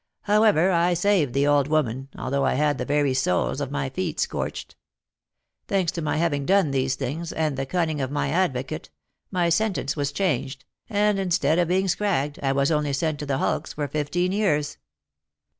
However, I saved the old woman, although I had the very soles of my feet scorched. Thanks to my having done these things, and the cunning of my advocate, my sentence was changed, and, instead of being 'scragged,' I was only sent to the hulks for fifteen years.